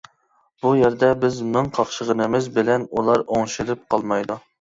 بۇ يەردە بىز مىڭ قاقشىغىنىمىز بىلەن ئۇلار ئوڭشىلىپ قالمايدۇ.